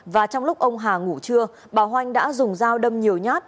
và trong lúc ông hà ngủ trưa bà hoanh đã dùng dao đâm nhiều nhát